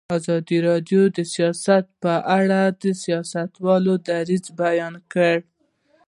ازادي راډیو د سیاست په اړه د سیاستوالو دریځ بیان کړی.